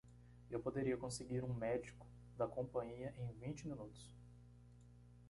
Eu poderia conseguir um médico da companhia em vinte minutos.